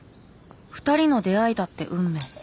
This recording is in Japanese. ２人の出会いだって運命。